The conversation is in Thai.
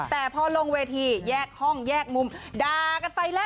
แต่พอลงเวทีแยกห้องแยกมุมด่ากันไปแล้ว